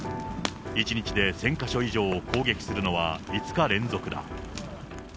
１日で１０００か所以上を攻撃するのは５日連続だ。